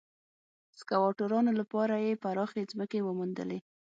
د سکواټورانو لپاره یې پراخې ځمکې وموندلې.